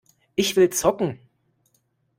Ich will zocken!